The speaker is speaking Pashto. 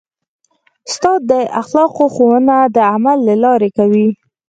استاد د اخلاقو ښوونه د عمل له لارې کوي.